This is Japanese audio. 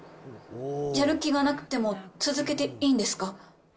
やる気がなくても続けていいんですか？